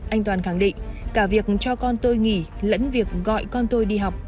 anh toàn khẳng định cả việc cho con tôi nghỉ lẫn việc gọi con tôi đi học